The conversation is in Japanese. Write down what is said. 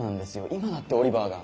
今だってオリバーが。